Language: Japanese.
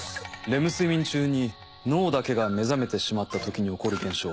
レム睡眠中に脳だけが目覚めてしまった時に起こる現象。